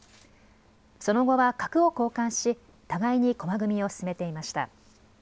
その後は角を交換し互いに駒組みを進めていました。